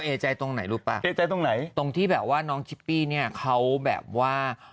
เอใจตรงไหนเอใจตรงไหนตรงที่แบบว่าน้องชิปปี้เนี่ยเค้าแบบว่า